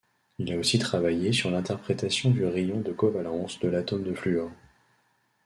Il a aussi travaillé sur l'interprétation du rayon de covalence de l'atome de fluor.